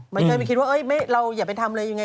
ไม่เคยคิดถึงว่าเราอย่าไปทำเลยอย่างไร